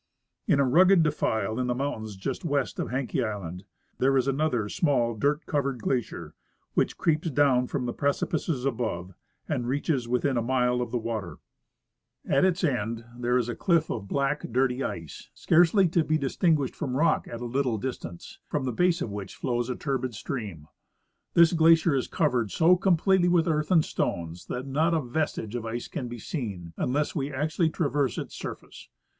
In a rugged defile in the mountains just west of Haenke island there is another small dirt coverecl glacier, Avhich creeps down from the precipices above and reaches within a mile of the water. m WW' A ■■! i,fel|l'l M •, iJ.*! iMiiiMj Tide water Glaciers. 101 At its end there is a cliff of black, dirty ice, scarcely to be dis tinguished from rock at a little distance, from the base of which flows a turbid stream. This glacier is covered so completely with earth and stones that not a vestige of the ice can be seen unless we actually traverse its surface.